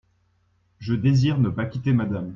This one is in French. Je désire ne pas quitter Madame.